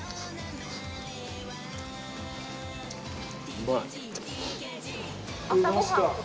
うまい。